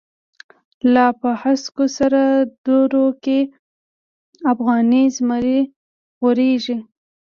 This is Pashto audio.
لا په هسکو سر درو کی، افغانی زمری غوریږی